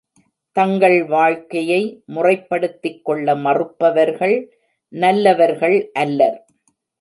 தங்கள் வாழ்க்கையை முறைப்படுத்திக் கொள்ள மறுப்பவர்கள் நல்லவர்கள் அல்லர்.